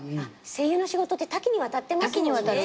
声優の仕事って多岐にわたってますもんね。